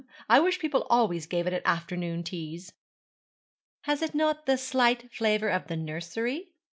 I wish people always gave it at afternoon teas.' 'Has it not a slight flavour of the nursery?'